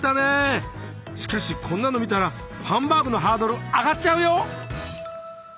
しかしこんなの見たらハンバーグのハードル上がっちゃうよ。